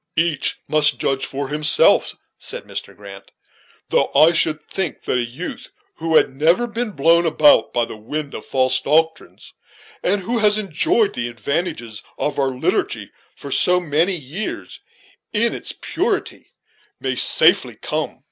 "Each must judge for himself," said Mr. Grant; "though I should think that a youth who had never been blown about by the wind of false doctrines, and who has enjoyed the advantages of our liturgy for so many years in its purity, might safely come.